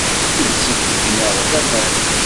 Yetteg deg-neɣ laman.